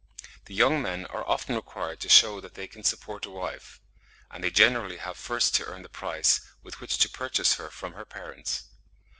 The young men are often required to shew that they can support a wife; and they generally have first to earn the price with which to purchase her from her parents.